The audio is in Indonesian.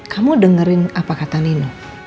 kamu dengerin apa kata nino